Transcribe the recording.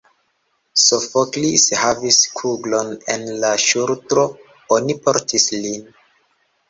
Sofoklis havis kuglon en la ŝultro: oni portis lin.